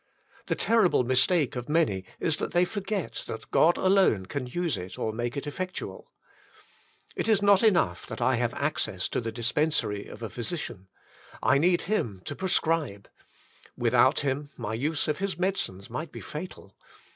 The terrible mistake of many is that they forget that God alone can use it or make it effectual. It is not enough that I have access to the dis pensary of a physician. I need him to pre scribe. Without him my use of his medicines might be fatal.